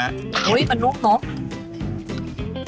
อุ๊ยมันรุ้ม